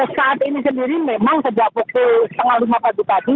saat ini sendiri memang sejak pukul setengah lima pagi tadi